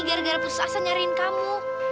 gara gara pusat asa nyariin kamu